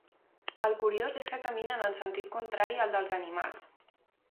El curiós és que caminen en sentit contrari al dels animals.